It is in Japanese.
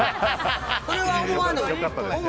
それは思わぬ。